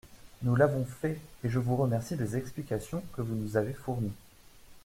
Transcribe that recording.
Nous l’avons fait, et je vous remercie des explications que vous nous avez fournies.